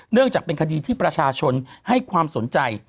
จากเป็นคดีที่ประชาชนให้ความสนใจ